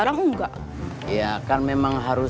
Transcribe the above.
nungguin pedang merah